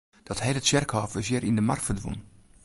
Dat hele tsjerkhôf is hjir yn de mar ferdwûn.